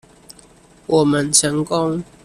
我們成功